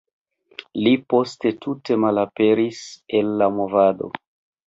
Li poste tute malaperis el la movado.